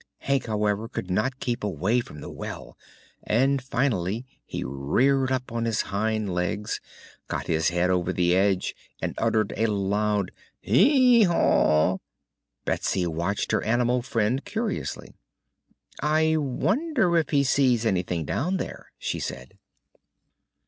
Hank, however, could not keep away from the well and finally he reared up on his hind legs, got his head over the edge and uttered a loud "Hee haw!" Betsy watched her animal friend curiously. "I wonder if he sees anything down there?" she said.